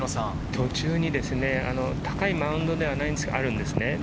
途中に高いマウンドではないんですが、あるんです。